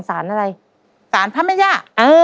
สารภรรมยา